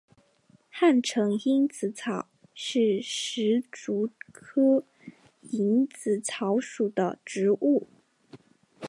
汉城蝇子草是石竹科蝇子草属的植物。